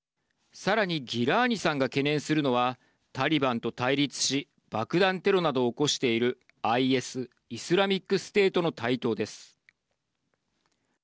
さらにギラーニさんが懸念するのはタリバンと対立し爆弾テロなどを起こしているＩＳ＝イスラミックステートの台頭です。